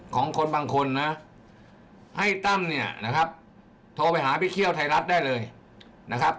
ของคนบางคนนะให้ตั้มเนี่ยนะครับโทรไปหาไปเที่ยวไทยรัฐได้เลยนะครับ